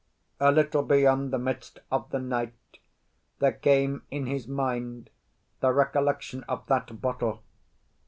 A little beyond the midst of the night, there came in his mind the recollection of that bottle.